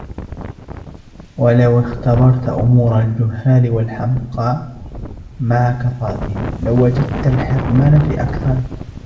وَلَوْ اخْتَبَرْت أُمُورَ الْجُهَّالِ وَالْحَمْقَى ، مَعَ كَثْرَتِهِمْ ، لَوَجَدَتْ الْحِرْمَانَ فِي أَكْثَرِهِمْ